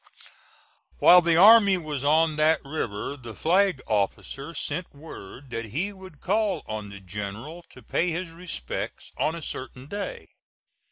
While the army was on that river the Flag Officer sent word that he would call on the General to pay his respects on a certain day.